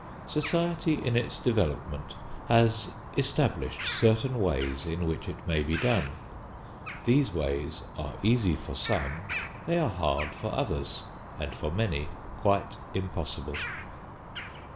Society in its development has established certain ways in which it may be done. These ways are easy for some, they are hard for others, and for many quite impossible.